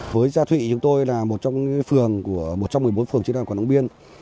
với gia thụy chúng tôi là một trong một mươi bốn phường chính đoàn quản động biên